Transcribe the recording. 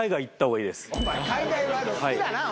海外ワード好きだな。